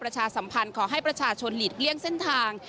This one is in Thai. ประชาสัมพันธ์ขอให้ประชาชนหลีกเลี่ยงเส้นทาง